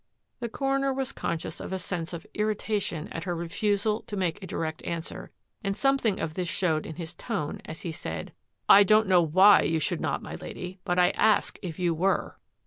" The coroner was conscious of a sense of irri tation at her refusal to make a direct answer, and something of this showed in his tone as he said, " I don't know why you should not, my Lady, but I ask if you were."